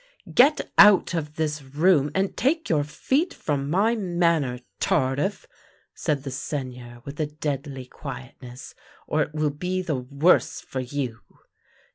" Get out of this room and take your feet from my manor, Tardif," said the Seigneur with a deadly quiet ness, " or it will be the worse for you."